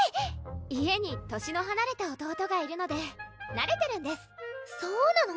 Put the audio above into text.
家に年のはなれた弟がいるのでなれてるんですそうなの？